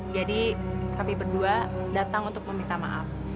jadi kami berdua datang untuk meminta maaf